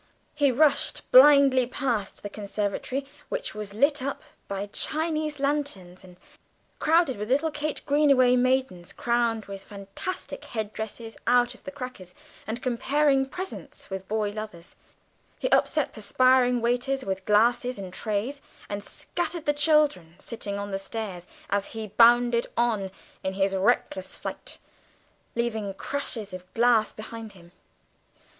He rushed blindly past the conservatory, which was lit up by Chinese lanterns and crowded with little "Kate Greenaway" maidens crowned with fantastic headdresses out of the crackers, and comparing presents with boy lovers; he upset perspiring waiters with glasses and trays, and scattered the children sitting on the stairs, as he bounded on in his reckless flight, leaving crashes of glass behind him.